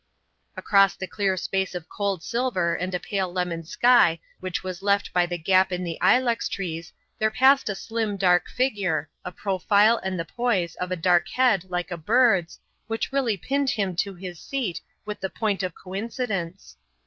Across the clear space of cold silver and a pale lemon sky which was left by the gap in the ilex trees there passed a slim, dark figure, a profile and the poise of a dark head like a bird's, which really pinned him to his seat with the point of coincidence.